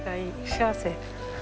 幸せ。